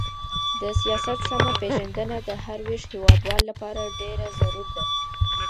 د سياست سمه پېژندنه د هر ويښ هيوادوال لپاره ډېره ضرور ده.